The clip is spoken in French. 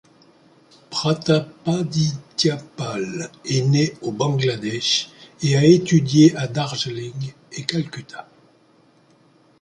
Pratapaditya Pal est né au Bangladesh et a étudié à Darjeeling et Calcutta.